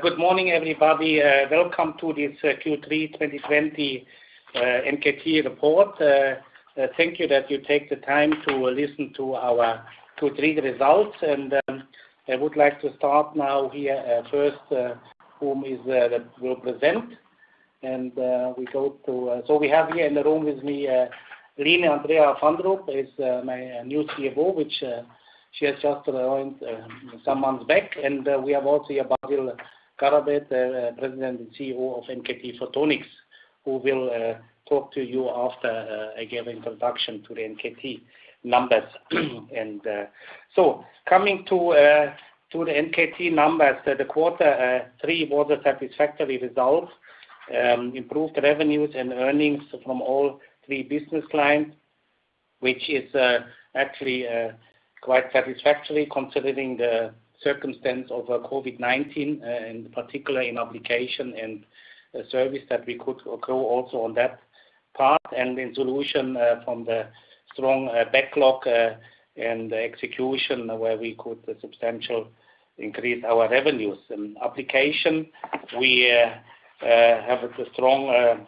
Good morning, everybody. Welcome to this Q3 2020 NKT Report. Thank you that you take the time to listen to our Q3 results. I would like to start now here first whom is that will present. We have here in the room with me, Line Andrea Fandrup is my new CFO, which she has just joined some months back. We have also here Basil Garabet, the President and CEO of NKT Photonics, who will talk to you after I give introduction to the NKT numbers. Coming to the NKT numbers. The quarter three was a satisfactory result. Improved revenues and earnings from all three business lines, which is actually quite satisfactory considering the circumstance of COVID-19, and particularly in application and service that we could grow also on that part, and then solution from the strong backlog and execution where we could substantial increase our revenues. In application, we have a strong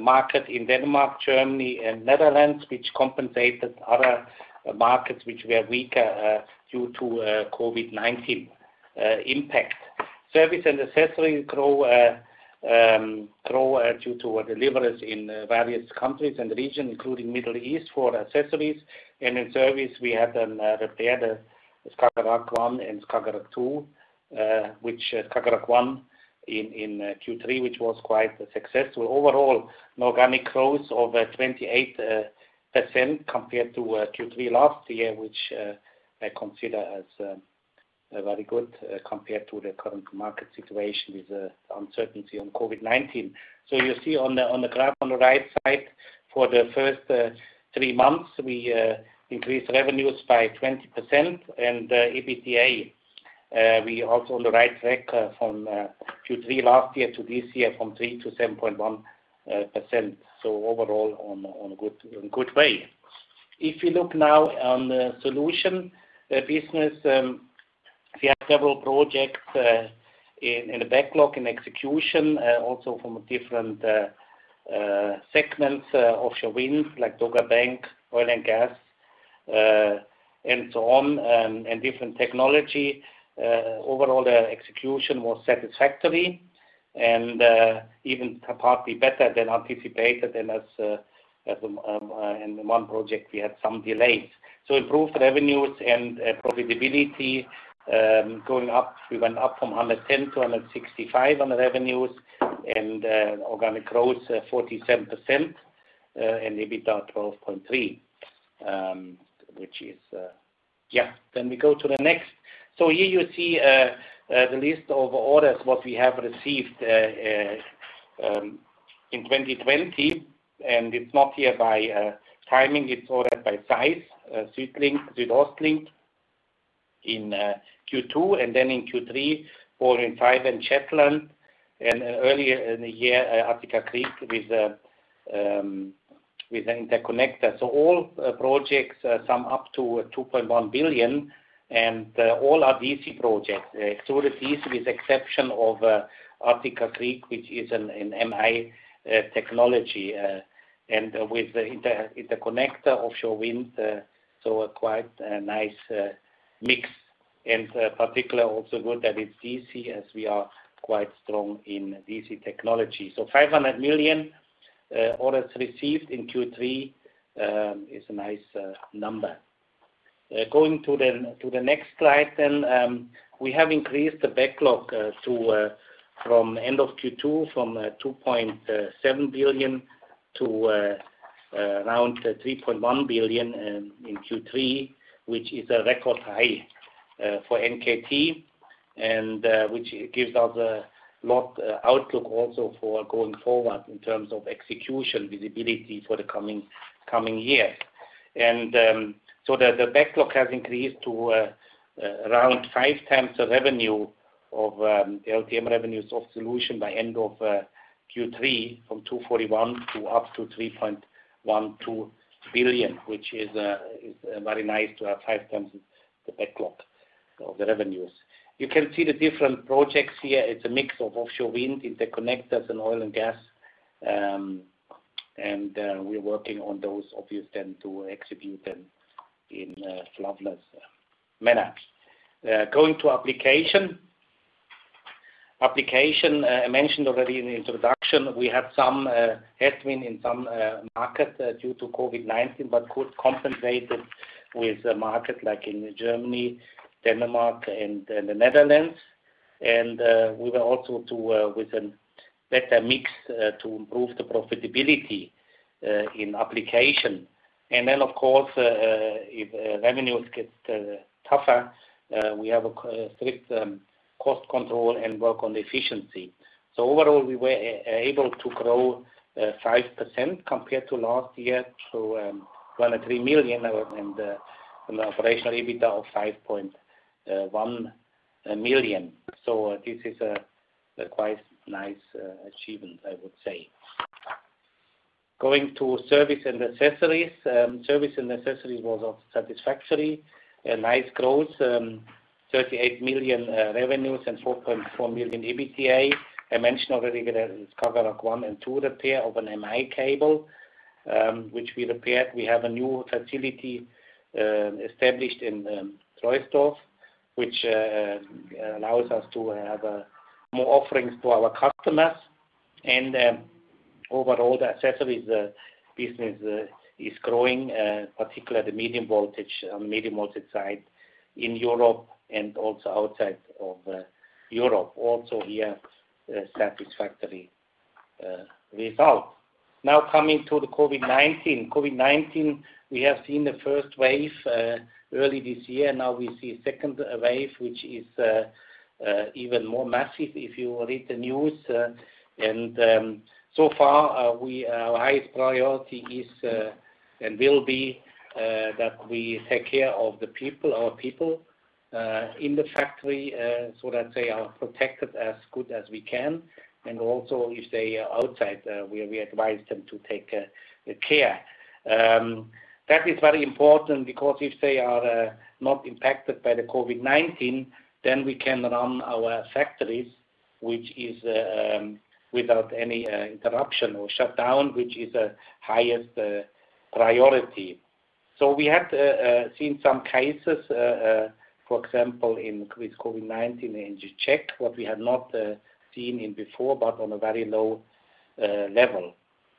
market in Denmark, Germany, and Netherlands, which compensated other markets which were weaker due to COVID-19 impact. Service and accessories grow due to deliveries in various countries and regions, including Middle East for accessories. In service, we had them repair the Skagerrak 1 and Skagerrak 2, which Skagerrak 1 in Q3, which was quite successful. Overall, an organic growth of 28% compared to Q3 last year, which I consider as very good compared to the current market situation with the uncertainty on COVID-19. You see on the graph on the right side, for the first three months, we increased revenues by 20%, and EBITDA, we also on the right track from Q3 last year to this year, from 3% to 7.1%. Overall on good way. If you look now on the solution business, we have several projects in the backlog, in execution, also from different segments offshore wind, like Dogger Bank, oil and gas, and so on, and different technology. Overall, the execution was satisfactory and even partly better than anticipated. In one project we had some delays. Improved revenues and profitability going up. We went up from 110 million to 165 million on the revenues and organic growth 47%, and EBITDA 12.3%. We go to the next. Here you see the list of orders, what we have received in 2020. It's not here by timing, it's ordered by size. SuedOstLink in Q2, in Q3, BorWin5 and Shetland, earlier in the year, Attica-Crete with an interconnector. All projects sum up to 2.1 billion and all are DC projects. That is with exception of Attica-Crete, which is an MI technology. With the interconnector offshore wind, a quite nice mix. Particular also good that it's DC, as we are quite strong in DC technology. 500 million orders received in Q3 is a nice number. Going to the next slide. We have increased the backlog from end of Q2, from 2.7 billion to around 3.1 billion in Q3, which is a record high for NKT, and which gives us a lot outlook also for going forward in terms of execution visibility for the coming year. The backlog has increased to around 5x the revenue of LTM revenues of solution by end of Q3, from 241 to up to 3.12 billion, which is very nice to have 5x the backlog of the revenues. You can see the different projects here. It's a mix of offshore wind, interconnectors, and oil and gas. We're working on those obviously to execute them in a flawless manner. Going to application. Application, I mentioned already in the introduction, we had some headwind in some markets due to COVID-19, but could compensate it with a market like in Germany, Denmark, and the Netherlands. We were also with a better mix to improve the profitability in application. Of course, if revenues gets tougher, we have a strict cost control and work on efficiency. Overall, we were able to grow 5% compared to last year to 23 million in the operational EBITDA of 5.1 million. This is a quite nice achievement, I would say. Going to service and accessories. Service and accessories was also satisfactory. A nice growth, 38 million revenues and 4.4 million EBITDA. I mentioned already that it is Skagerrak 1 and 2 repair of an MI cable, which we repaired. We have a new facility established in Troisdorf, which allows us to have more offerings to our customers. Overall, the accessories business is growing, particularly the medium voltage side in Europe and also outside of Europe. Also here, satisfactory result. Now coming to the COVID-19. COVID-19, we have seen the first wave early this year. Now we see second wave, which is even more massive if you read the news. So far, our highest priority is and will be that we take care of our people in the factory so that they are protected as good as we can. Also, if they are outside, we advise them to take care. That is very important because if they are not impacted by the COVID-19, then we can run our factories, which is without any interruption or shutdown, which is the highest priority. We have seen some cases, for example, with COVID-19 in Czech, what we had not seen in before, but on a very low level.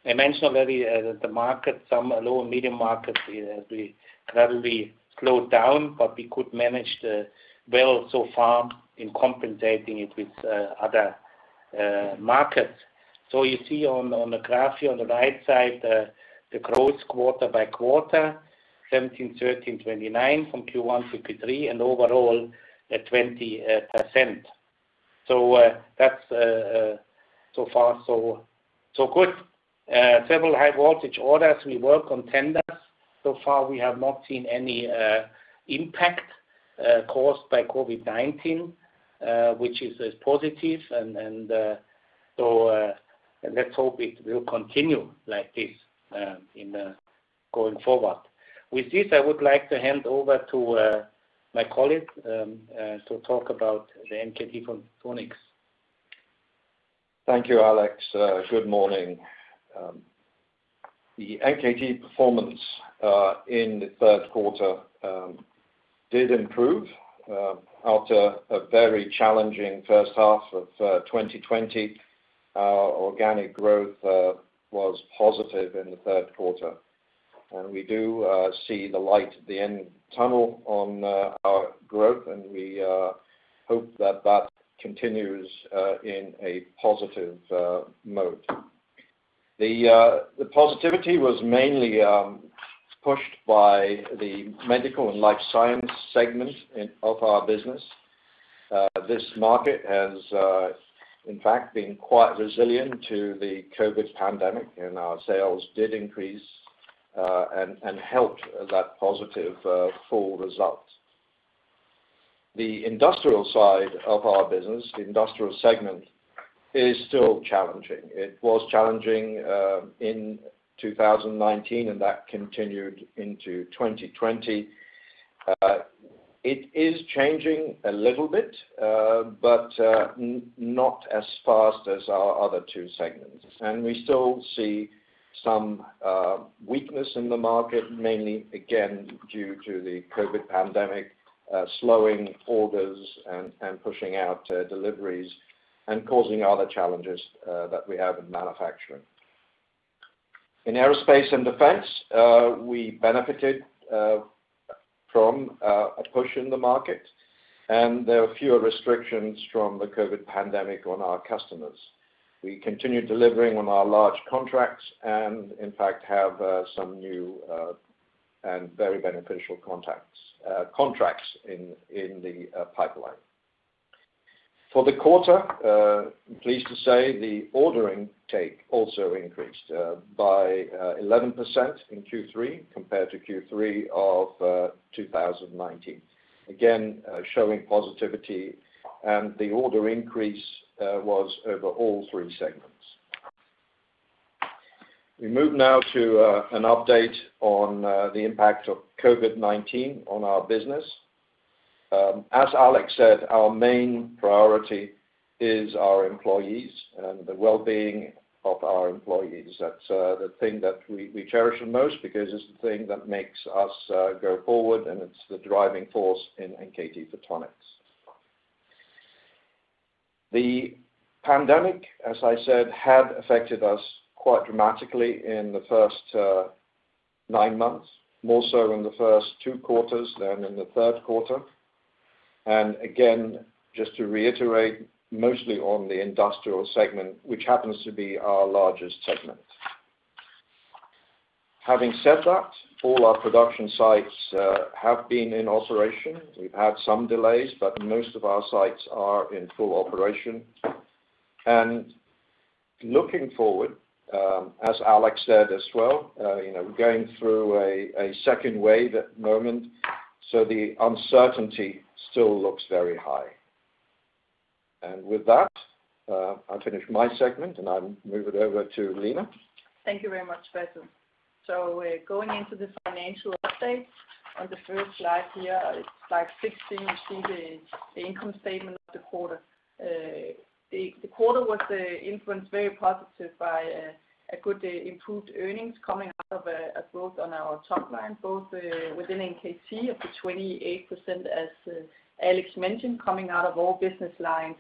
I mentioned already that the market, some low and medium markets has been gradually slowed down, but we could manage well so far in compensating it with other markets. You see on the graph here on the right side, the growth quarter by quarter, 17, 13, 29 from Q1 to Q3 and overall at 20%. That's so far so good. Several high voltage orders, we work on tenders. So far, we have not seen any impact caused by COVID-19, which is positive. Let's hope it will continue like this in going forward. With this, I would like to hand over to my colleague to talk about the NKT Photonics. Thank you, Alex. Good morning. The NKT performance in the third quarter did improve after a very challenging first half of 2020. Our organic growth was positive in the third quarter. We do see the light at the end of the tunnel on our growth, and we hope that that continues in a positive mode. The positivity was mainly pushed by the medical and life science segment of our business. This market has in fact been quite resilient to the COVID-19 pandemic, and our sales did increase and helped that positive full result. The industrial side of our business, the industrial segment, is still challenging. It was challenging in 2019, and that continued into 2020. It is changing a little bit but not as fast as our other two segments. We still see some weakness in the market, mainly, again, due to the COVID-19 pandemic slowing orders and pushing out deliveries and causing other challenges that we have in manufacturing. In aerospace and defense, we benefited from a push in the market, and there are fewer restrictions from the COVID-19 pandemic on our customers. We continue delivering on our large contracts and in fact have some new and very beneficial contracts in the pipeline. For the quarter, I'm pleased to say the ordering take also increased by 11% in Q3 compared to Q3 of 2019. Showing positivity and the order increase was over all three segments. We move now to an update on the impact of COVID-19 on our business. As Alex said, our main priority is our employees and the well-being of our employees. That's the thing that we cherish the most because it's the thing that makes us go forward, and it's the driving force in NKT Photonics. The pandemic, as I said, had affected us quite dramatically in the first nine months, more so in the first two quarters than in the third quarter. Again, just to reiterate, mostly on the industrial segment, which happens to be our largest segment. Having said that, all our production sites have been in operation. We've had some delays, but most of our sites are in full operation. Looking forward, as Alex said as well, we're going through a second wave at the moment, so the uncertainty still looks very high. With that, I'll finish my segment, and I'll move it over to Line. Thank you very much, Basil. We're going into the financial update. On the first slide here, slide 16, you see the income statement of the quarter. The quarter was influenced very positively by a good improved earnings coming out of a growth on our top line, both within NKT of the 28%, as Alex mentioned, coming out of all business lines,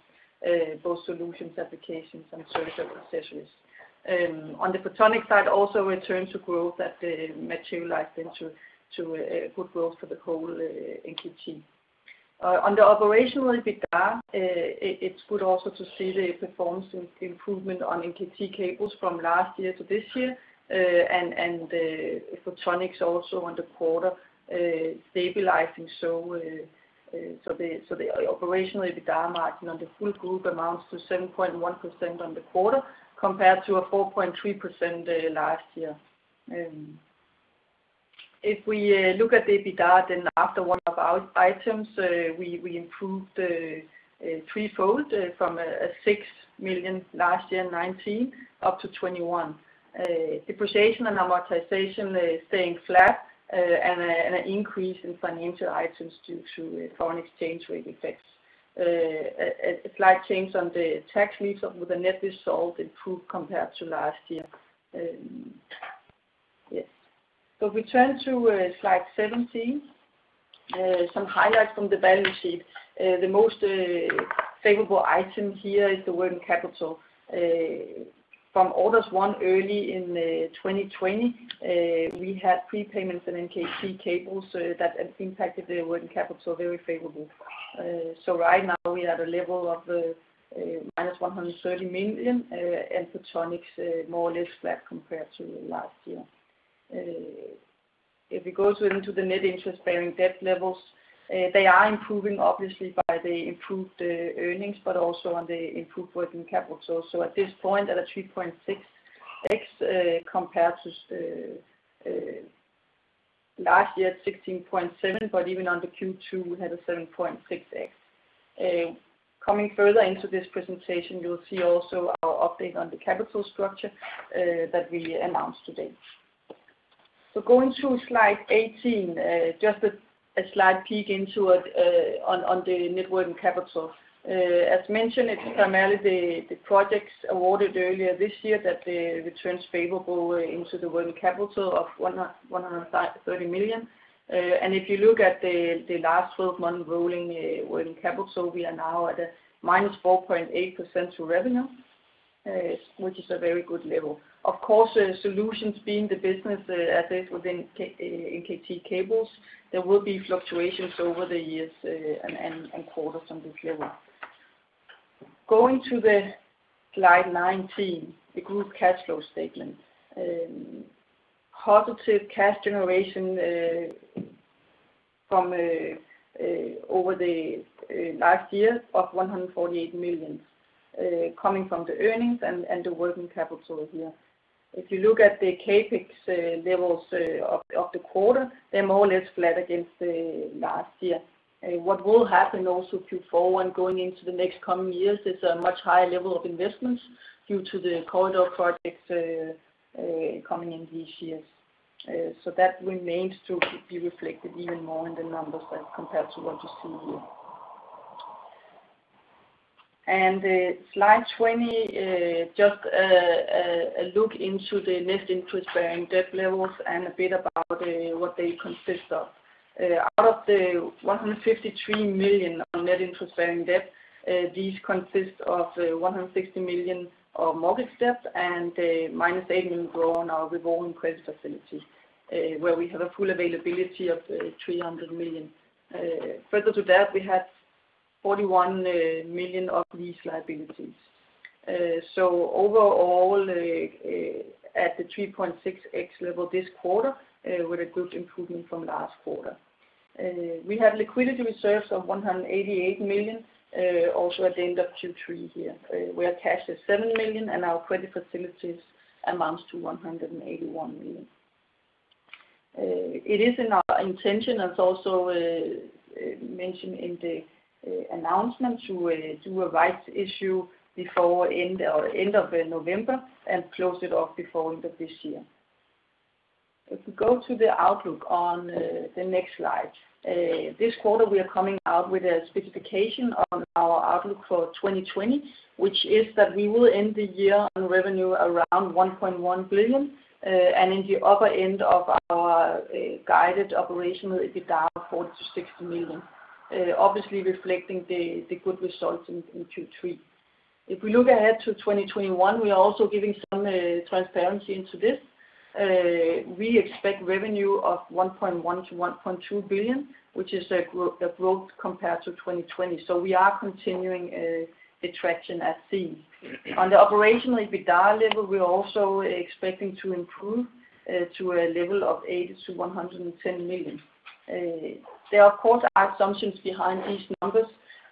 both solutions, applications, and service accessories. On the Photonic side, also returned to growth that materialized into good growth for the whole NKT. On the operational EBITDA, it is good also to see the performance improvement on NKT Cables from last year to this year, and Photonics also on the quarter stabilizing. The operational EBITDA margin on the full group amounts to 7.1% on the quarter, compared to a 4.3% last year. If we look at the EBITDA, after one-off items, we improved threefold from 6 million last year, 2019, up to 21 million. Depreciation and amortization staying flat, an increase in financial items due to foreign exchange rate effects. A slight change on the tax lease with a net result improved compared to last year. Yes. If we turn to slide 17, some highlights from the balance sheet. The most favorable item here is the working capital. From orders won early in 2020, we had prepayments in NKT Cables that impacted the working capital very favorably. Right now, we are at a level of -130 million, Photonics more or less flat compared to last year. If we go into the net interest-bearing debt levels, they are improving obviously by the improved earnings, but also on the improved working capital. At this point at a 3.6x, compared to last year at 16.7x, even on the Q2, we had a 7.6x. Coming further into this presentation, you'll see also our update on the capital structure that we announced today. Going to slide 18, just a slight peek into it on the net working capital. As mentioned, it's primarily the projects awarded earlier this year that returns favorable into the working capital of 130 million. If you look at the last 12-month rolling working capital, we are now at a -4.8% to revenue, which is a very good level. Of course, solutions being the business asset within NKT Cables, there will be fluctuations over the years and quarters on this level. Going to the slide 19, the group cash flow statement. Positive cash generation from over the last year of 148 million, coming from the earnings and the working capital here. If you look at the CapEx levels of the quarter, they are more or less flat against last year. What will happen also Q4 and going into the next coming years is a much higher level of investments due to the corridor projects coming in these years. That remains to be reflected even more in the numbers compared to what you see here. Slide 20, just a look into the net interest-bearing debt levels and a bit about what they consist of. Out of the 153 million on net interest-bearing debt, these consist of 160 million of mortgage debt and a minus 8 million draw on our revolving credit facility, where we have a full availability of 300 million. Further to that, we have 41 million of these liabilities. Overall, at the 3.6x level this quarter, with a good improvement from last quarter. We have liquidity reserves of 188 million, also at the end of Q3 here, where cash is 7 million and our credit facilities amounts to 181 million. It is in our intention, as also mentioned in the announcement, to do a rights issue before end of November and close it off before end of this year. If we go to the outlook on the next slide. This quarter, we are coming out with a specification on our outlook for 2020, which is that we will end the year on revenue around 1.1 billion, and in the upper end of our guided operational EBITDA, 40 million-60 million. Obviously reflecting the good results in Q3. If we look ahead to 2021, we are also giving some transparency into this. We expect revenue of 1.1 billion-1.2 billion, which is a growth compared to 2020. We are continuing the traction as seen. On the operational EBITDA level, we're also expecting to improve to a level of 80 million-110 million. There, of course, are assumptions behind these numbers,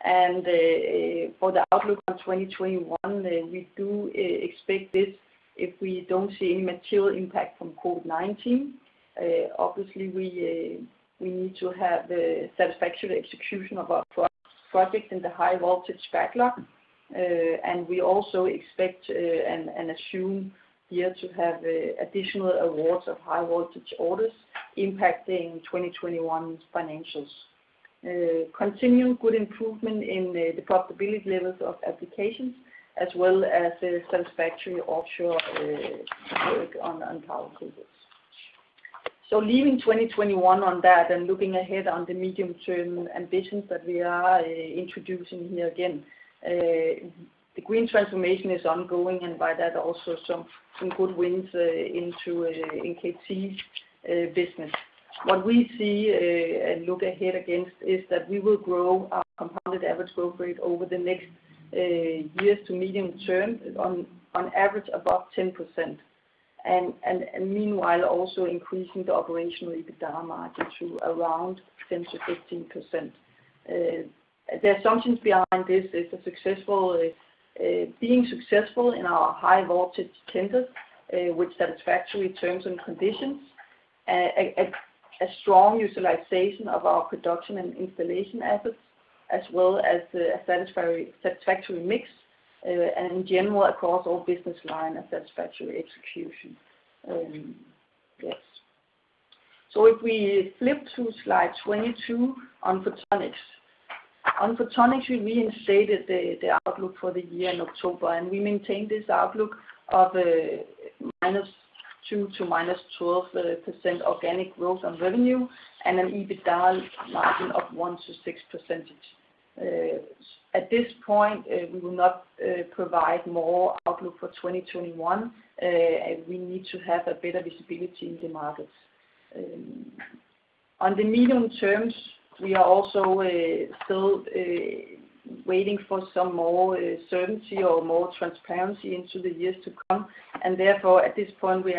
and for the outlook on 2021, we do expect this if we don't see any material impact from COVID-19. Obviously, we need to have a satisfactory execution of our projects in the high voltage backlog. We also expect and assume here to have additional awards of high voltage orders impacting 2021's financials. Continued good improvement in the profitability levels of applications, as well as a satisfactory offshore work on power cables. Leaving 2021 on that, and looking ahead on the medium-term ambitions that we are introducing here again. The green transformation is ongoing, by that, also some good wins into NKT business. What we see and look ahead against is that we will grow our compounded average growth rate over the next years to medium term, on average above 10%. Meanwhile, also increasing the operational EBITDA margin to around 10%-15%. The assumptions behind this is being successful in our high voltage tenders with satisfactory terms and conditions, a strong utilization of our production and installation assets, as well as a satisfactory mix, in general, across all business line, a satisfactory execution. Yes. If we flip to slide 22 on Photonics. On Photonics, we reinstated the outlook for the year in October, we maintain this outlook of a -2% to -12% organic growth on revenue, an EBITDA margin of 1%-6%. At this point, we will not provide more outlook for 2021. We need to have a better visibility in the markets. On the medium terms, we are also still waiting for some more certainty or more transparency into the years to come. Therefore, at this point, we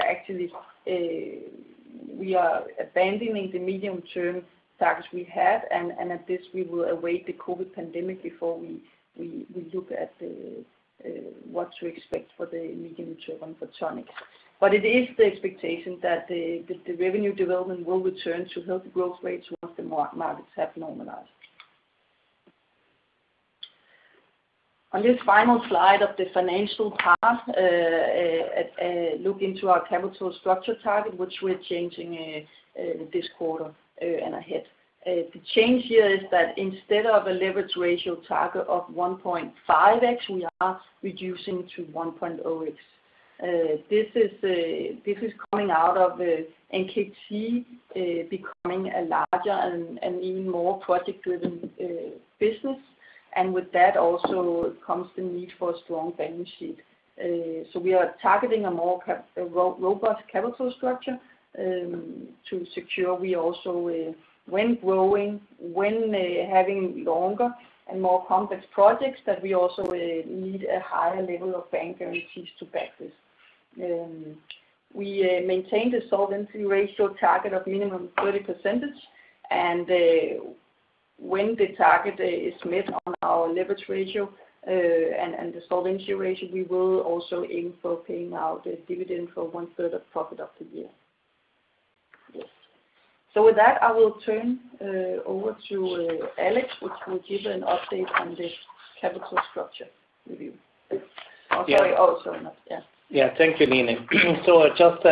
are abandoning the medium-term targets we had, and at this we will await the COVID pandemic before we look at what to expect for the medium-term on Photonics. It is the expectation that the revenue development will return to healthy growth rates once the markets have normalized. On this final slide of the financial path, look into our capital structure target, which we are changing this quarter and ahead. The change here is that instead of a leverage ratio target of 1.5x, we are reducing to 1.0x. This is coming out of NKT becoming a larger and even more project-driven business. With that also comes the need for a strong balance sheet. We are targeting a more robust capital structure to secure we also, when growing, when having longer and more complex projects, that we also need a higher level of bank guarantees to back this. We maintain the solvency ratio target of minimum 30%. When the target is met on our leverage ratio and the solvency ratio, we will also aim for paying out the dividend for one third of profit of the year. Yes. With that, I will turn over to Alex, which will give an update on the capital structure review. Yeah. Thank you, Line. Just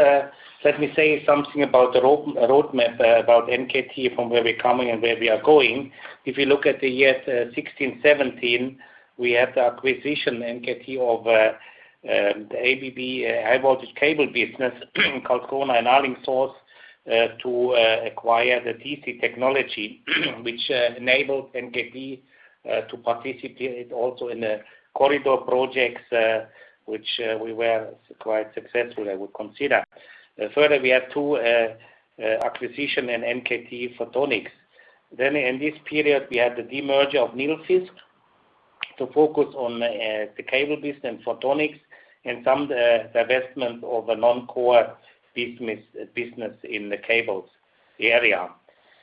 let me say something about the roadmap about NKT, from where we're coming and where we are going. If you look at the years 2016, 2017, we had the acquisition NKT of the ABB High Voltage Cable business, Karlskrona and Alingsås, to acquire the DC technology, which enabled NKT to participate also in the corridor projects, which we were quite successful, I would consider. Further, we had two acquisition in NKT Photonics. In this period, we had the demerger of Nilfisk to focus on the cable business, Photonics, and some divestment of a non-core business in the cables area.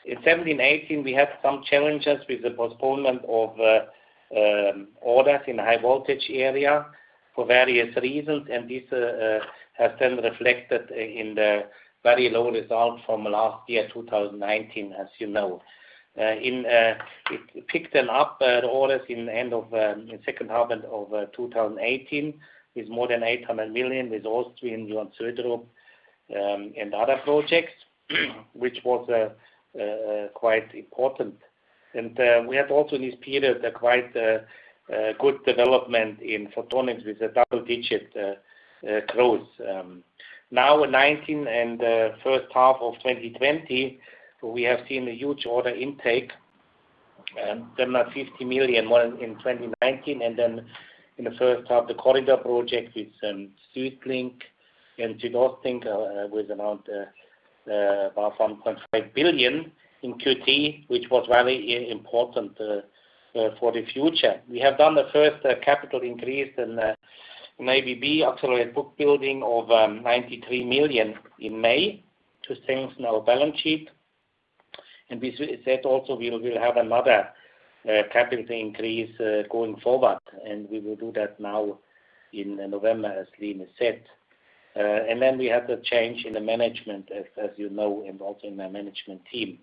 In 2017, 2018, we had some challenges with the postponement of orders in high voltage area for various reasons, and this has then reflected in the very low result from last year, 2019, as you know. It picked them up, the orders, in the end of the second half of 2018, with more than 800 million with Ostwind and Johan Sverdrup and other projects, which was quite important. We had also in this period a quite good development in Photonics with a double-digit growth. Now 2019 and first half of 2020, we have seen a huge order intake and then 50 million more in 2019, and then in the first half, the corridor project with SuedOstLink and NordLink with around 1.5 billion in Q3, which was very important for the future. We have done the first capital increase in ABB, actually a book building of 93 million in May to strengthen our balance sheet. We said also we will have another capital increase going forward, and we will do that now in November, as Line said. Then we have the change in the management, as you know, involving my management team.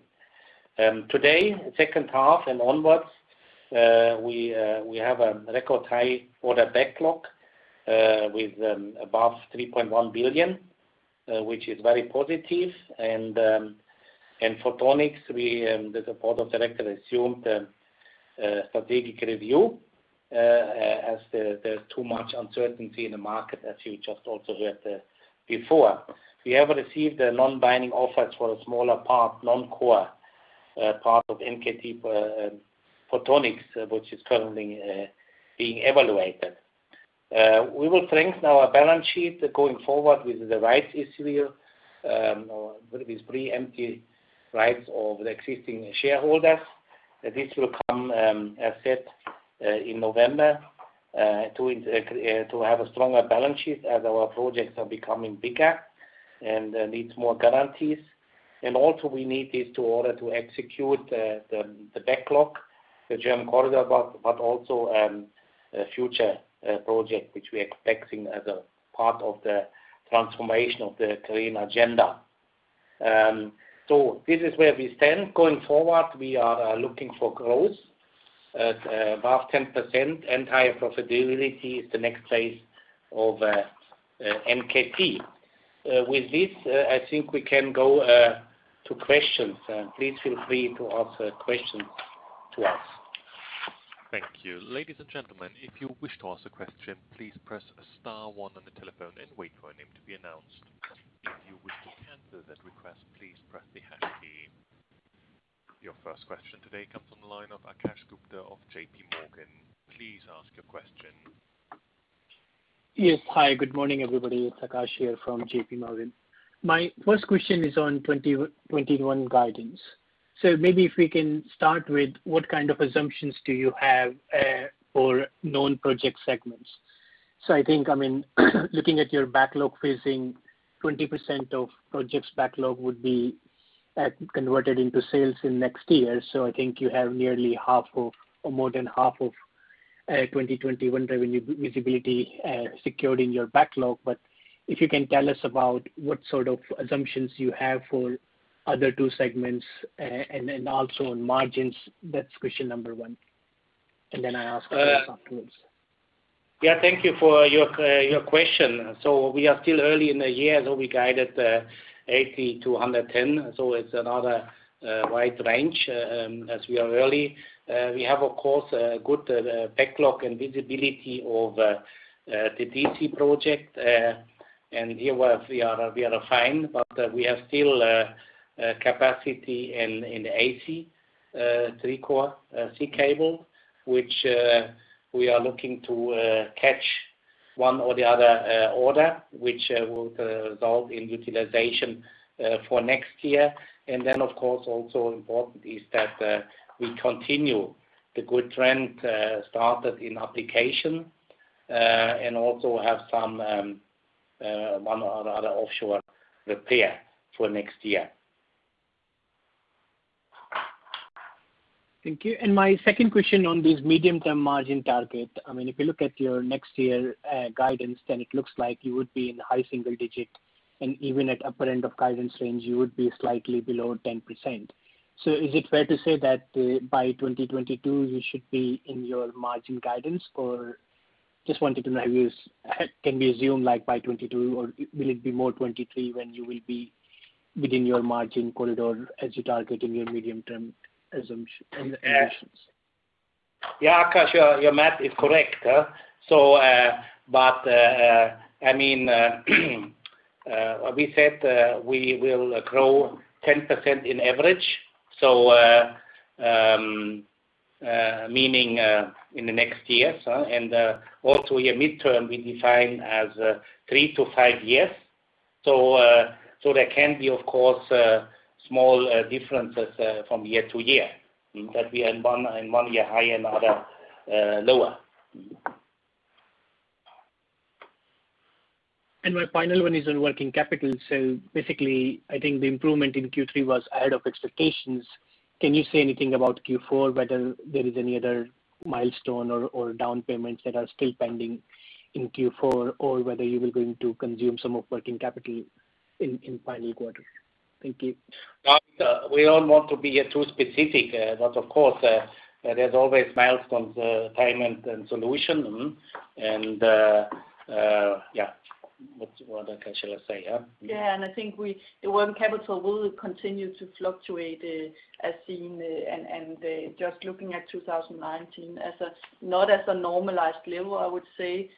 Today, the second half and onwards, we have a record high order backlog with above 3.1 billion, which is very positive. NKT Photonics, the Board of Directors assumed strategic review, as there's too much uncertainty in the market, as you just also heard before. We have received non-binding offers for a smaller part, non-core part of NKT Photonics, which is currently being evaluated. We will strengthen our balance sheet going forward with the rights issue, or with preemptive rights of the existing shareholders. This will come, as said, in November to have a stronger balance sheet as our projects are becoming bigger and needs more guarantees. Also we need this in order to execute the backlog, the German Corridor, but also future project, which we are expecting as a part of the transformation of the green agenda. This is where we stand. Going forward, we are looking for growth at above 10%, and higher profitability is the next phase of NKT. With this, I think we can go to questions. Please feel free to ask questions to us. Thank you. Ladies and gentlemen, if you wish to ask a question, please press star one on the telephone and wait for your name to be announced. If you wish to cancel that request, please press the hash key. Your first question today comes on the line of Akash Gupta of JPMorgan. Please ask your question. Hi, good morning, everybody. It's Akash here from JPMorgan. My first question is on 2021 guidance. Maybe if we can start with what kind of assumptions do you have for known project segments? I think, looking at your backlog facing 20% of projects backlog would be converted into sales in next year. I think you have nearly half of, or more than half of 2021 revenue visibility secured in your backlog. If you can tell us about what sort of assumptions you have for other two segments and then also on margins. That's question number one. Then I ask afterwards. Yeah. Thank you for your question. We are still early in the year, so we guided 80-110. It's another wide range as we are early. We have, of course, a good backlog and visibility of the DC project. Here we are fine, but we have still capacity in AC three-core sea cable, which we are looking to catch one or the other order, which will result in utilization for next year. Then of course, also important is that we continue the good trend started in application, and also have one or other offshore repair for next year. Thank you. My second question on this medium-term margin target. If you look at your next year guidance, then it looks like you would be in high single digit, and even at upper end of guidance range, you would be slightly below 10%. Is it fair to say that by 2022 you should be in your margin guidance, or just wanted to know, can we assume by 2022 or will it be more 2023 when you will be within your margin corridor as you target in your medium-term assumptions? Yeah, Akash your math is correct. We said we will grow 10% in average, so meaning in the next years. Also your midterm, we define as three to five years. There can be, of course, small differences from year to year. That we are in one year high and other lower. My final one is on working capital. Basically, I think the improvement in Q3 was ahead of expectations. Can you say anything about Q4, whether there is any other milestone or down payments that are still pending in Q4? Whether you will going to consume some of working capital in final quarter? Thank you. Akash, we don't want to be too specific. Of course, there's always milestones, payment and solution. What Akash shall I say? Yeah. I think the working capital will continue to fluctuate as seen, and just looking at 2019, not as a normalized level, I would say,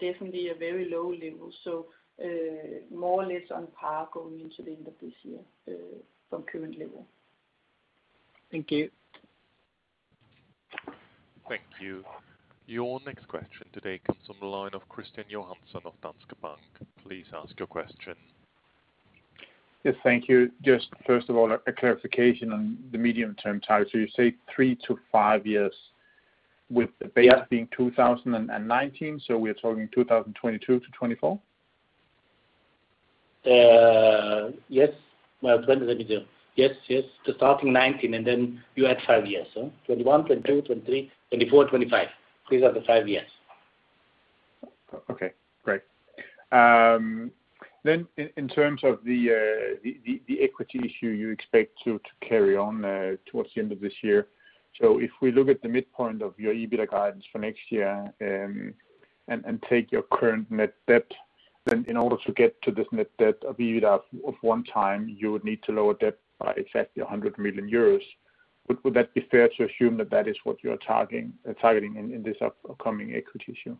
definitely a very low level. More or less on par going into the end of this year from current level. Thank you. Thank you. Your next question today comes on the line of Kristian Johansen of Danske Bank. Please ask your question. Thank you. Just first of all, a clarification on the medium-term target. You say three to five years being 2019, so we're talking 2022-2024? Yes. Well, 2020. Yes, to starting 2019, then you add five years. 2021, 2022, 2023, 2024, 2025. These are the five years. Okay, great. In terms of the equity issue you expect to carry on towards the end of this year. If we look at the midpoint of your EBIT guidance for next year, and take your current net debt, in order to get to this net debt of EBITDA of one time, you would need to lower debt by exactly 100 million euros. Would that be fair to assume that is what you are targeting in this upcoming equity issue?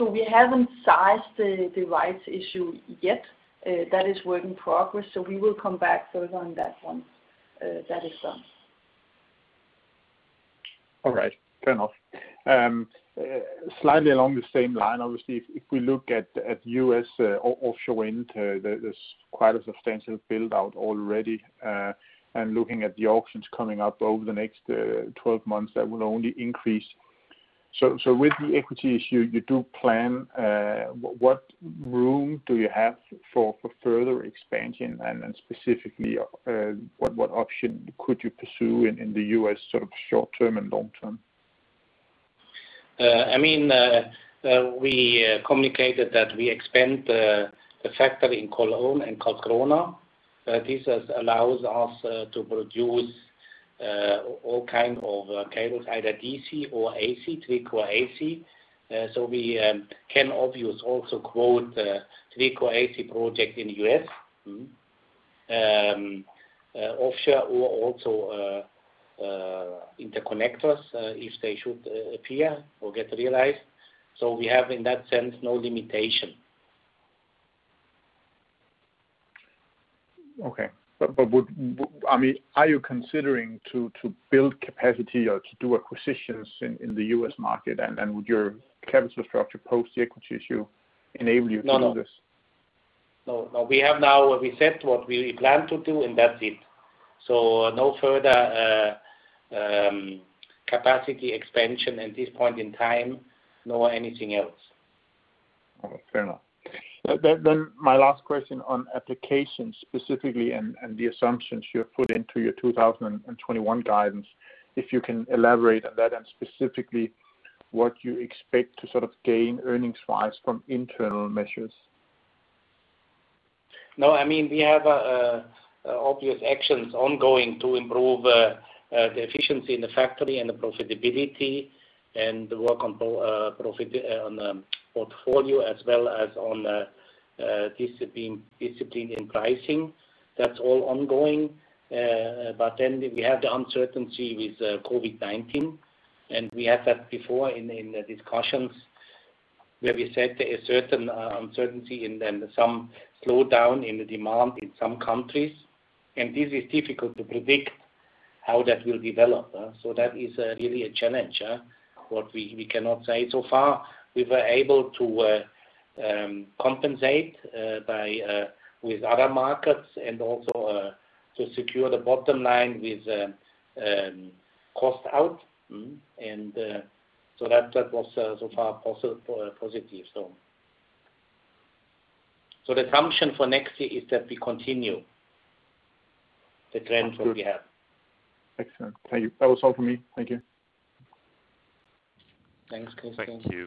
We haven't sized the rights issue yet. That is work in progress. We will come back further on that one, that is done. All right. Fair enough. Slightly along the same line, obviously, if we look at U.S. offshore wind, there is quite a substantial build-out already. Looking at the auctions coming up over the next 12 months, that will only increase. With the equity issue you do plan, what room do you have for further expansion? Specifically, what option could you pursue in the U.S., short-term and long-term? We communicated that we expand the factory in Cologne and Karlskrona. This allows us to produce all kinds of cables, either DC or AC, three-core AC. We can obviously also quote three-core AC projects in the U.S. Offshore or also interconnectors, if they should appear or get realized. We have, in that sense, no limitation. Okay. Are you considering to build capacity or to do acquisitions in the U.S. market? Would your capital structure post the equity issue enable you to do this? No. We have now what we said, what we plan to do, and that's it. No further capacity expansion at this point in time, nor anything else. All right. Fair enough. My last question on applications, specifically, and the assumptions you have put into your 2021 guidance, if you can elaborate on that and specifically what you expect to gain earnings-wise from internal measures? We have obvious actions ongoing to improve the efficiency in the factory and the profitability and work on portfolio as well as on discipline in pricing. That's all ongoing. We have the uncertainty with COVID-19. We had that before in the discussions where we said a certain uncertainty and then some slowdown in the demand in some countries. This is difficult to predict how that will develop. That is really a challenge. What we cannot say so far, we were able to compensate with other markets and also to secure the bottom line with cost out. That was so far positive. The assumption for next year is that we continue the trends that we have. Excellent. Thank you. That was all for me. Thank you. Thanks, Kristian. Thank you.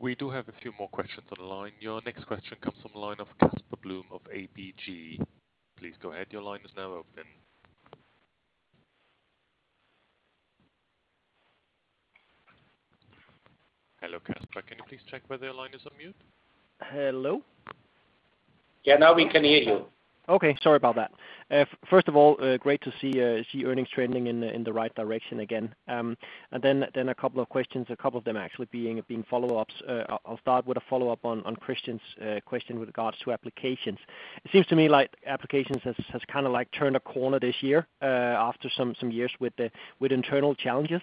We do have a few more questions on the line. Your next question comes from the line of Casper Blom of ABG. Please go ahead. Your line is now open. Hello, Casper, can you please check whether your line is on mute? Hello? Yeah, now we can hear you. Okay. Sorry about that. First of all, great to see earnings trending in the right direction again. A couple of questions, a couple of them actually being follow-ups. I'll start with a follow-up on Kristian's question with regards to applications. It seems to me like applications has kind of turned a corner this year, after some years with internal challenges.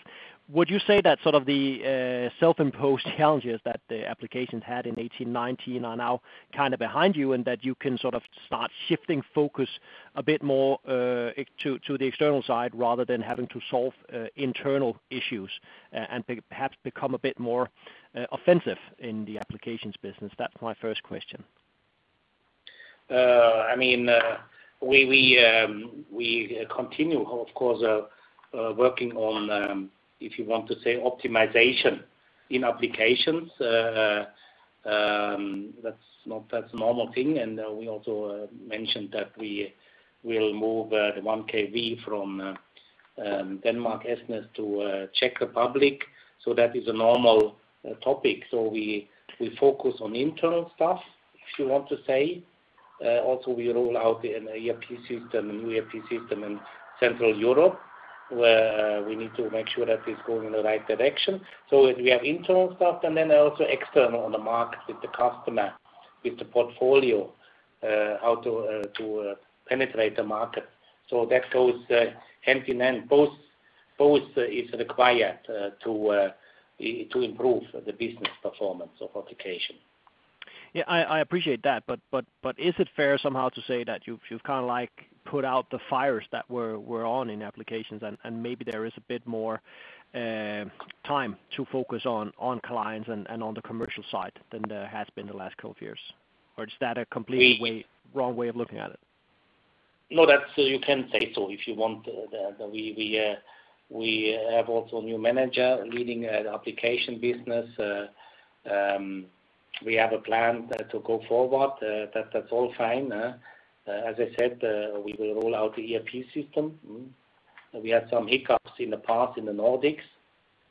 Would you say that sort of the self-imposed challenges that the applications had in 2018, 2019 are now kind of behind you and that you can sort of start shifting focus a bit more, to the external side rather than having to solve internal issues, and perhaps become a bit more offensive in the applications business? That's my first question. We continue, of course, working on, if you want to say optimization in applications. That's a normal thing. We also mentioned that we will move the 1 kV from Denmark, Esbjerg to Czech Republic. That is a normal topic. We focus on internal stuff, if you want to say. Also, we roll out an ERP system, a new ERP system in Central Europe, where we need to make sure that it's going in the right direction. We have internal stuff and then also external on the market with the customer, with the portfolio, how to penetrate the market. That goes hand in hand. Both is required to improve the business performance of application. Yeah, I appreciate that. Is it fair somehow to say that you've kind of put out the fires that were on in applications, and maybe there is a bit more time to focus on clients and on the commercial side than there has been the last couple of years? Or is that a completely wrong way of looking at it? No, you can say so if you want. We have also a new manager leading an application business. We have a plan to go forward. That's all fine. As I said, we will roll out the ERP system. We had some hiccups in the past in the Nordics.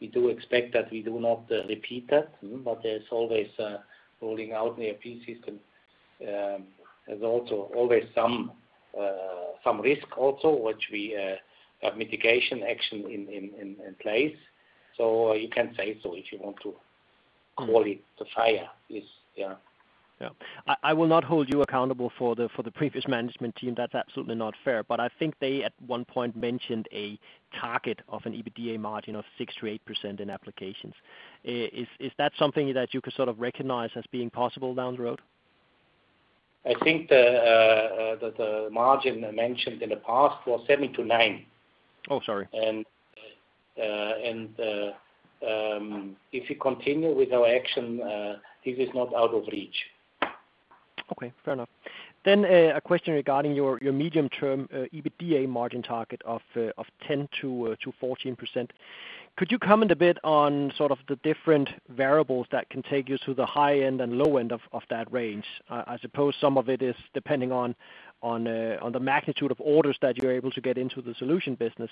We do expect that we do not repeat that. There's always, rolling out an ERP system, there's also always some risk also, which we have mitigation action in place. You can say so if you want to call it the fire. Yeah. I will not hold you accountable for the previous management team. That's absolutely not fair. I think they, at one point, mentioned a target of an EBITDA margin of 6%-8% in applications. Is that something that you could recognize as being possible down the road? I think that the margin mentioned in the past was 7%-9%. Oh, sorry. If we continue with our action, this is not out of reach. Okay, fair enough. A question regarding your medium-term EBITDA margin target of 10%-14%. Could you comment a bit on sort of the different variables that can take you to the high end and low end of that range? I suppose some of it is depending on the magnitude of orders that you're able to get into the solution business.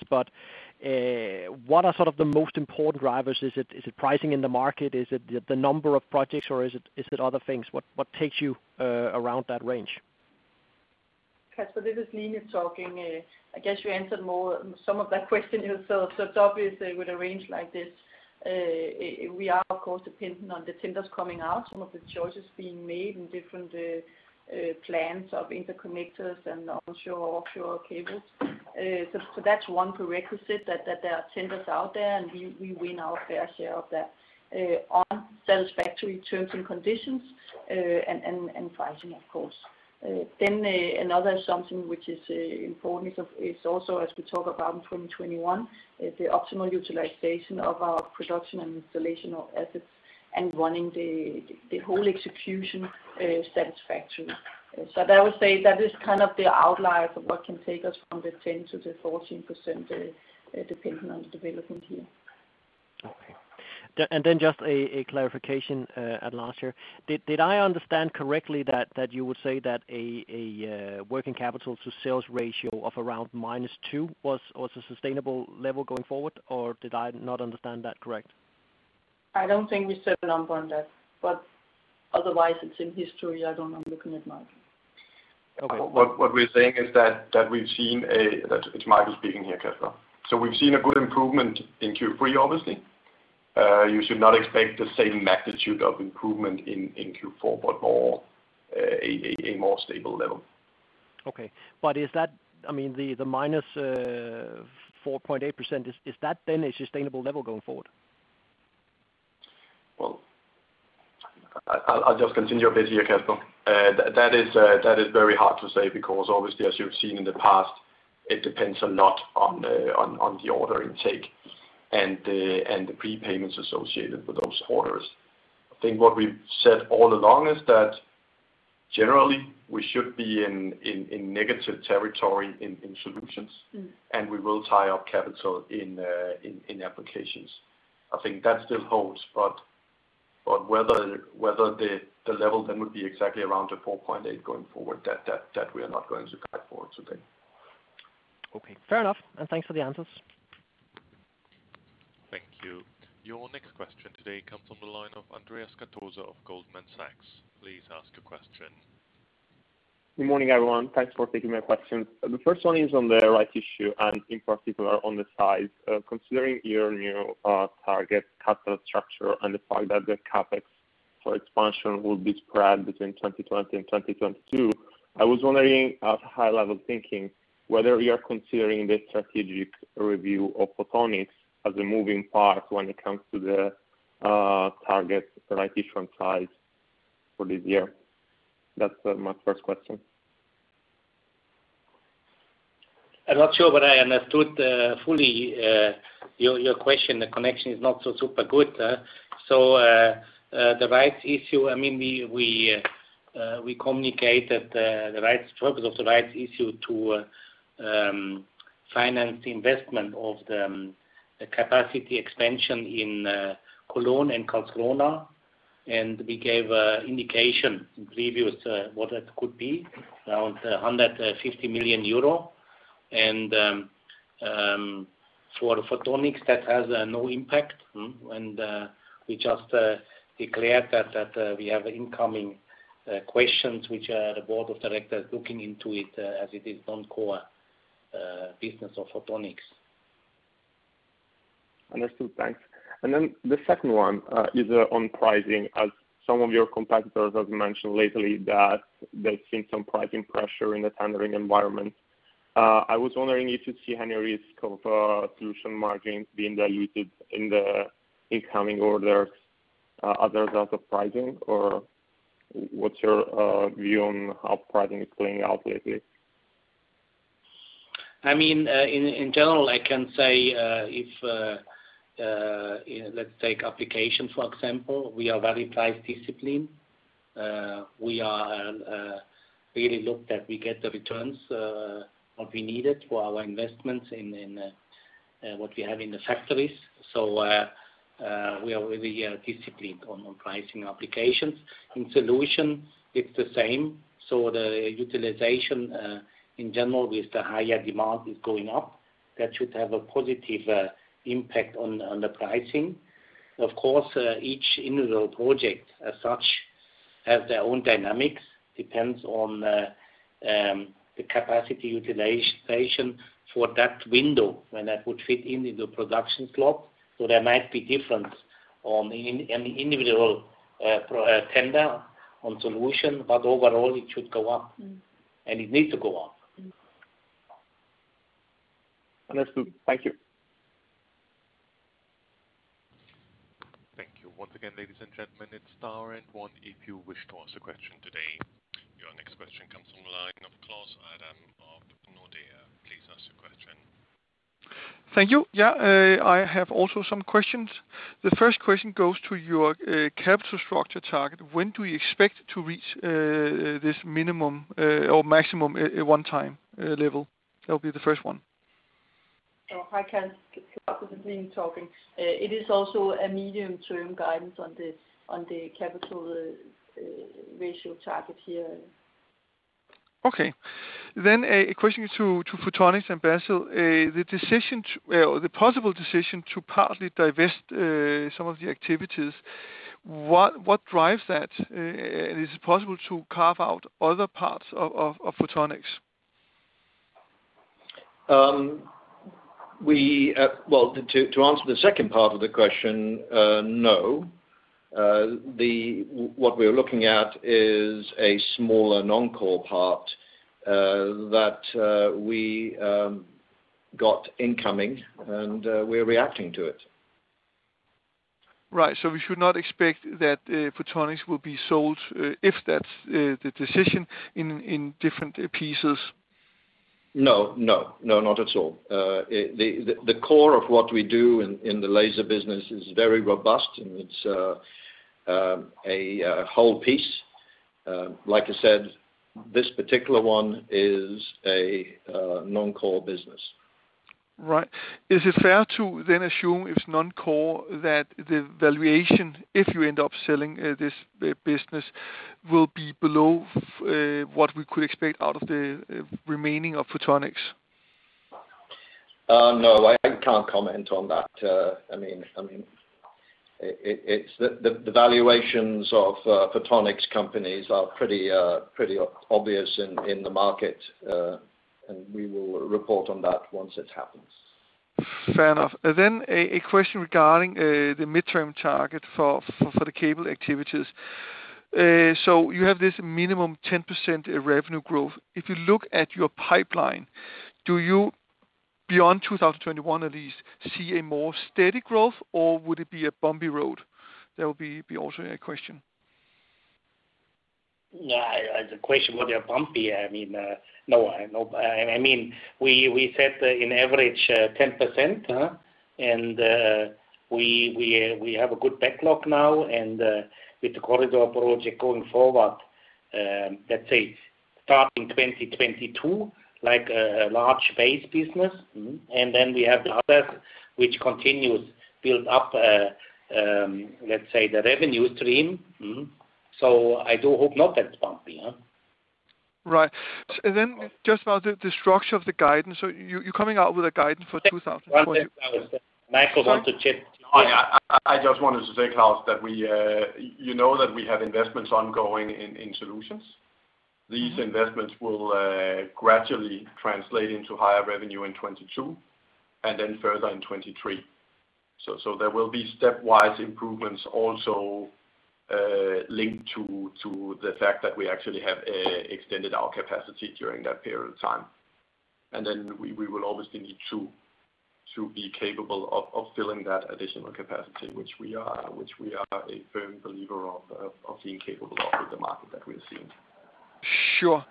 What are sort of the most important drivers? Is it pricing in the market? Is it the number of projects, or is it other things? What takes you around that range? Casper, this is Line talking. I guess you answered some of that question yourself. It's obvious that with a range like this, we are of course dependent on the tenders coming out, some of the choices being made in different plans of interconnectors and onshore, offshore cables. That's one prerequisite, that there are tenders out there, and we win our fair share of that on satisfactory terms and conditions, and pricing of course. Another assumption which is important is also, as we talk about in 2021, the optimal utilization of our production and installation of assets and running the whole execution satisfactorily. I would say that is kind of the outline of what can take us from the 10% to the 14%, depending on the development here. Okay. Just a clarification, Line. Did I understand correctly that you would say that a working capital to sales ratio of around -2% was a sustainable level going forward, or did I not understand that correct? I don't think we set a number on that, but otherwise it's in history. I don't know. I'm looking at Michael. Okay. What we're saying is that it's Michael speaking here, Casper. We've seen a good improvement in Q3 obviously. You should not expect the same magnitude of improvement in Q4, but a more stable level. Okay. Is that, the -4.8%, is that then a sustainable level going forward? Well, I'll just continue a bit here, Casper. That is very hard to say because obviously, as you've seen in the past, it depends a lot on the order intake and the prepayments associated with those orders. I think what we've said all along is that generally we should be in negative territory in solutions, and we will tie up capital in applications. I think that still holds, whether the level then would be exactly around the 4.8% going forward, that we are not going to guide for today. Okay, fair enough, and thanks for the answers. Thank you. Your next question today comes on the line of Andrea Scatozza of Goldman Sachs. Please ask your question. Good morning, everyone. Thanks for taking my questions. The first one is on the rights issue and in particular on the size. Considering your new target capital structure and the fact that the CapEx for expansion will be spread between 2020 and 2022, I was wondering at high level of thinking whether you are considering the strategic review of Photonics as a moving part when it comes to the target rights issue size for this year? That's my first question. I'm not sure that I understood fully your question. The connection is not so super good. The rights issue, we communicated the struggles of the rights issue to finance the investment of the capacity expansion in Cologne and Karlskrona, and we gave an indication in previous what that could be, around 150 million euro. For Photonics, that has no impact. We just declared that we have incoming questions which the board of directors looking into it as it is non-core business of Photonics. Understood. Thanks. The second one is on pricing. As some of your competitors have mentioned lately that they've seen some pricing pressure in the tendering environment. I was wondering if you see any risk of solution margins being diluted in the incoming orders as a result of pricing, or what's your view on how pricing is playing out lately? In general, I can say, let's take application, for example. We are very price discipline. We really look that we get the returns that we needed for our investments in what we have in the factories. We are very disciplined on pricing applications. In solution, it's the same. The utilization, in general, with the higher demand is going up. That should have a positive impact on the pricing. Of course, each individual project as such has their own dynamics. Depends on the capacity utilization for that window, when that would fit into the production slot. There might be difference on any individual tender on solution, but overall it should go up, and it needs to go up. Understood. Thank you. Thank you once again, ladies and gentlemen. Your next question comes from the line of Claus Almer of Nordea. Please ask your question. Thank you. I have also some questions. The first question goes to your capital structure target. When do you expect to reach this minimum or maximum at 1x level? That'll be the first one. Hi, Claus. It's Line talking. It is also a medium-term guidance on the capital ratio target here. A question about Photonics to Basil. The possible decision to partly divest some of the activities, what drives that? Is it possible to carve out other parts of Photonics? Well, to answer the second part of the question, no. What we are looking at is a smaller non-core part that we got incoming and we're reacting to it. Right. We should not expect that Photonics will be sold, if that's the decision, in different pieces? No, not at all. The core of what we do in the laser business is very robust, and it's a whole piece. Like I said, this particular one is a non-core business. Right. Is it fair to then assume it's non-core that the valuation, if you end up selling this business, will be below what we could expect out of the remaining of Photonics? No, I can't comment on that. The valuations of Photonics companies are pretty obvious in the market. We will report on that once it happens. Fair enough. A question regarding the mid-term target for the cable activities. You have this minimum 10% revenue growth. If you look at your pipeline, do you, beyond 2021 at least, see a more steady growth, or would it be a bumpy road? That would be also a question. The question, would it be bumpy? No. We said in average 10%, and we have a good backlog now. With the corridor project going forward, let's say starting 2022, like a large base business. We have the others which continues build up, let's say, the revenue stream. I do hope not that bumpy. Right. Just about the structure of the guidance. You're coming out with a guidance for 2021. Michael want to chip in? I just wanted to say, Claus, that you know that we have investments ongoing in solutions. These investments will gradually translate into higher revenue in 2022, and then further in 2023. There will be stepwise improvements also linked to the fact that we actually have extended our capacity during that period of time. We will obviously need to be capable of filling that additional capacity, which we are a firm believer of being capable of with the market that we are seeing. Sure.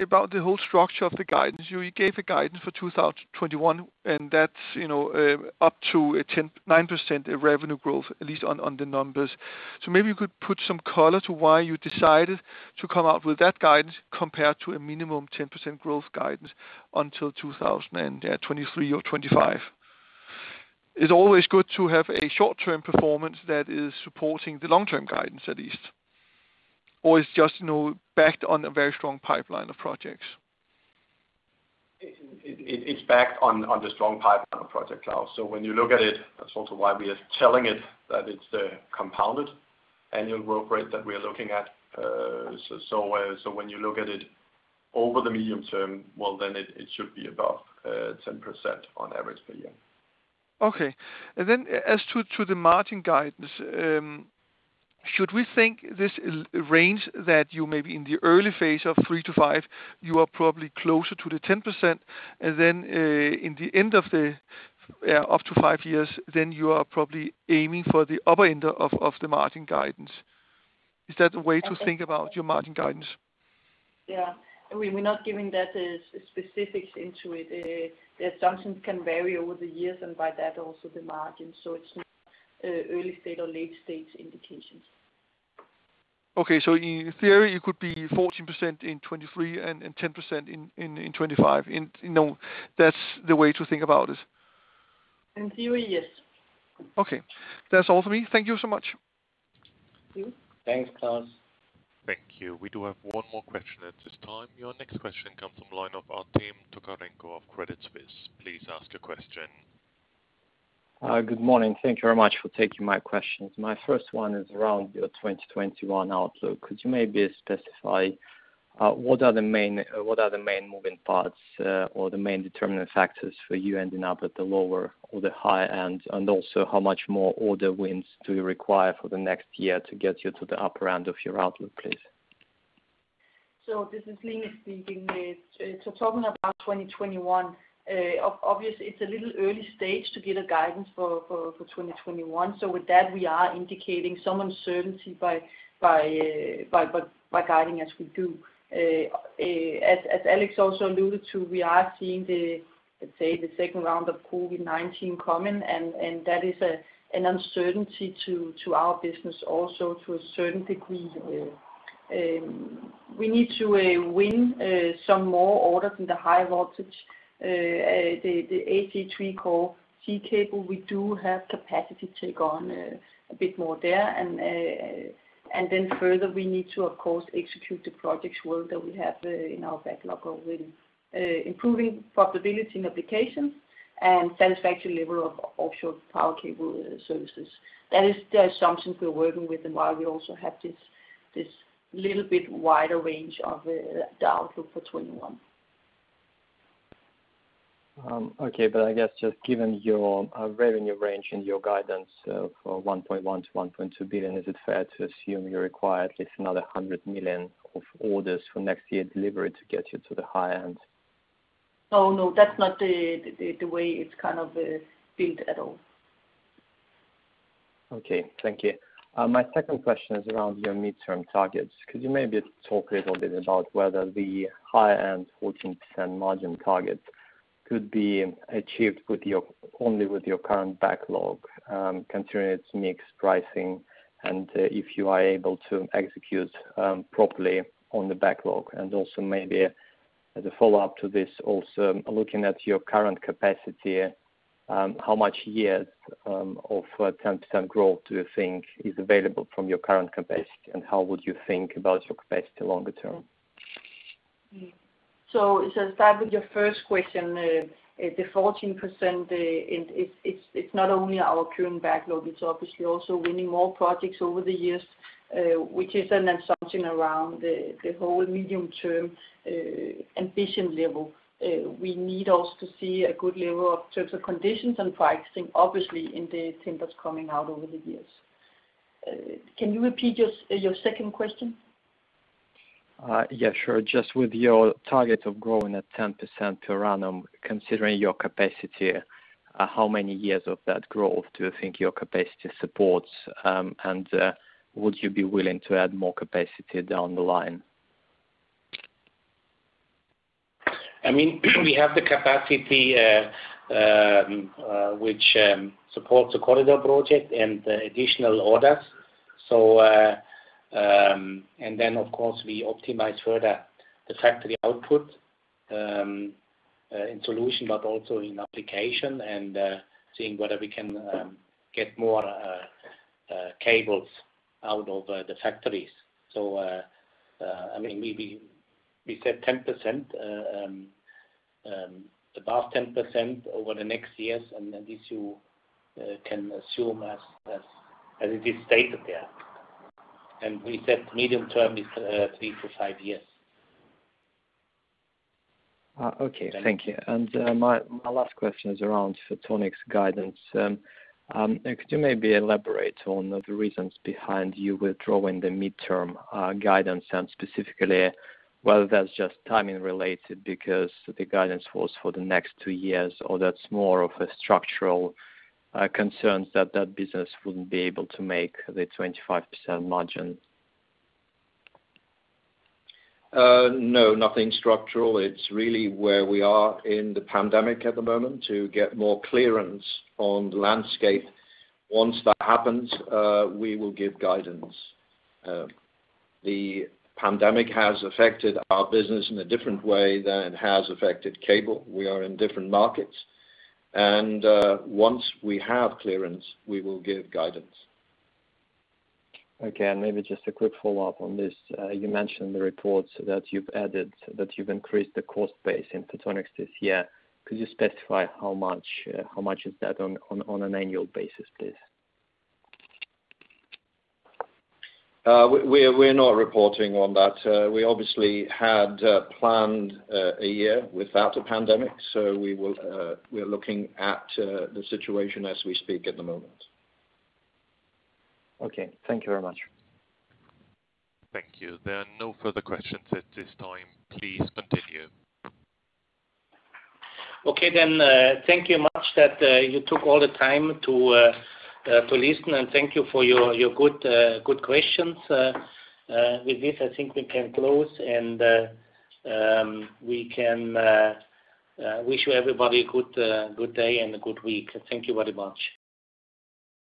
About the whole structure of the guidance. You gave the guidance for 2021, and that's up to a 9% revenue growth, at least on the numbers. Maybe you could put some color to why you decided to come out with that guidance compared to a minimum 10% growth guidance until 2023 or 2025? It's always good to have a short-term performance that is supporting the long-term guidance, at least. It's just backed on a very strong pipeline of projects. It's backed on the strong pipeline of project, Claus. When you look at it, that's also why we are telling it, that it's the compounded annual growth rate that we are looking at. When you look at it over the medium term, well, it should be above 10% on average per year. Okay. As to the margin guidance, should we think this range that you may be in the early phase of three to five years, you are probably closer to the 10%, and then in the end of the up to five years, then you are probably aiming for the upper end of the margin guidance? Is that the way to think about your margin guidance? Yeah. We're not giving that specifics into it. The assumptions can vary over the years, and by that, also the margin. It's not early state or late-stage indications. Okay. In theory, it could be 14% in 2023 and 10% in 2025. That's the way to think about it. In theory, yes. Okay. That's all for me. Thank you so much. Thank you. Thanks, Claus. Thank you. We do have one more question at this time. Your next question comes from the line of Artem Tokarenko of Credit Suisse. Please ask your question. Good morning. Thank you very much for taking my questions. My first one is around your 2021 outlook. Could you maybe specify what are the main moving parts or the main determining factors for you ending up at the lower or the higher end? Also, how much more order wins do you require for the next year to get you to the upper end of your outlook, please? This is Line speaking. Talking about 2021, obviously, it's a little early stage to give a guidance for 2021. With that, we are indicating some uncertainty by guiding as we do. As Alex also alluded to, we are seeing, let's say, the second round of COVID-19 coming, and that is an uncertainty to our business also to a certain degree. We need to win some more orders in the high voltage, the AC three-core sea cable. We do have capacity to take on a bit more there. Further, we need to, of course, execute the projects work that we have in our backlog already. Improving profitability in applications and satisfactory level of offshore power cable services. That is the assumptions we are working with and why we also have this little bit wider range of the outlook for 2021. Okay. I guess just given your revenue range and your guidance of 1.1 billion-1.2 billion, is it fair to assume you require at least another 100 million of orders for next year delivery to get you to the high end? Oh, no, that's not the way it's kind of built at all. Okay. Thank you. My second question is around your midterm targets. Could you maybe talk a little bit about whether the high-end 14% margin target could be achieved only with your current backlog, considering its mix pricing and if you are able to execute properly on the backlog? Also maybe as a follow-up to this also, looking at your current capacity, how much years of 10% growth do you think is available from your current capacity, and how would you think about your capacity longer term? To start with your first question, the 14%, it is not only our current backlog, it is obviously also winning more projects over the years, which is an assumption around the whole medium-term ambition level. We need also to see a good level of terms and conditions and pricing, obviously, in the tenders coming out over the years. Can you repeat your second question? Yeah, sure. Just with your target of growing at 10% per annum, considering your capacity, how many years of that growth do you think your capacity supports? Would you be willing to add more capacity down the line? We have the capacity which supports the corridor project and the additional orders. Of course, we optimize further the factory output, in solution, but also in application and seeing whether we can get more cables out of the factories. Maybe we said 10%, above 10% over the next years, and this you can assume as it is stated there. We said medium term is three to five years. Okay. Thank you. My last question is around Photonics guidance. Could you maybe elaborate on the reasons behind you withdrawing the midterm guidance, and specifically, whether that's just timing related because the guidance was for the next two years, or that's more of a structural concern that business wouldn't be able to make the 25% margin? No, nothing structural. It's really where we are in the pandemic at the moment to get more clearance on the landscape. Once that happens, we will give guidance. The pandemic has affected our business in a different way than it has affected cable. We are in different markets. Once we have clearance, we will give guidance. Okay. Maybe just a quick follow-up on this. You mentioned the reports that you've added, that you've increased the cost base in Photonics this year. Could you specify how much is that on an annual basis, please? We're not reporting on that. We obviously had planned a year without a pandemic, we are looking at the situation as we speak at the moment. Okay. Thank you very much. Thank you. There are no further questions at this time. Please continue. Okay, then. Thank you much that you took all the time to listen, and thank you for your good questions. With this, I think we can close, and we can wish everybody a good day and a good week. Thank you very much.